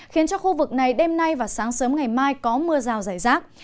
khiến cho khu vực này đêm nay và sáng sớm ngày mai có mưa rào rải rác